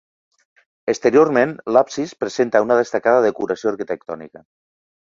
Exteriorment, l'absis presenta una destacada decoració arquitectònica.